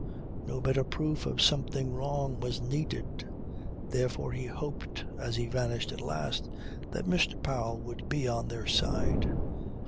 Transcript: No better proof of something wrong was needed. Therefore he hoped, as he vanished at last, that Mr. Powell would be on their side.